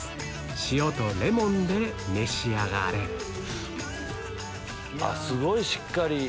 塩とレモンで召し上がれあっすごいしっかり。